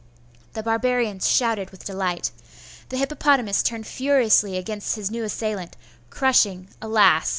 The barbarians shouted with delight. The hippopotamus turned furiously against his new assailant, crushing, alas!